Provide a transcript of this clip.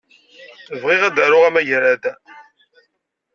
Bɣiɣ ad d-aruɣ amagrad.